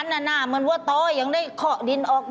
สินี่ไม่ได้คอร์สดินหรอก